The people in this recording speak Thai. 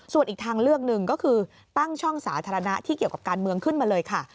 ส่วนอีกทางเลือกหนึ่งก็คือตั้งช่องสาธารณะที่เกี่ยวกับการเมืองขึ้นมาเลยค่ะ